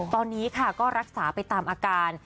ตอนนี้ค่ะก็รักษาไปตามอาการ